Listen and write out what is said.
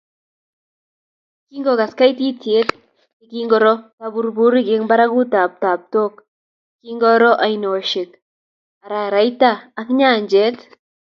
Kingogas kaititiet ye kingoro taburburik eng barakutap taptok, kingoro oinosiek, araraita ak nyanjet